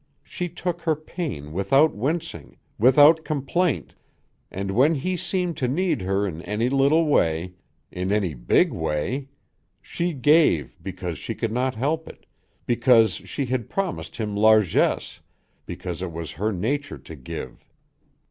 She took her pain without wincing, without complaint, and when he seemed to need her in any little way, in any big way, she gave because she could not help it, because she had promised him largesse, because it was her nature to give.